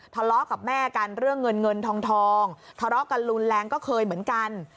ทะเลาะกับแม่กันเรื่องเงินเงินทองทะเลาะกันรุนแรงก็เคยเหมือนกัน